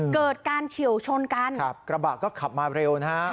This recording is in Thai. เกิดการเฉียวชนกันครับกระบะก็ขับมาเร็วนะฮะ